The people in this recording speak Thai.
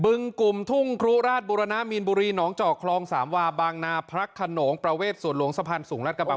ึงกลุ่มทุ่งครุราชบุรณะมีนบุรีหนองจอกคลองสามวาบางนาพระขนงประเวทสวนหลวงสะพานสูงรัฐกระบัง